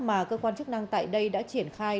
mà cơ quan chức năng tại đây đã triển khai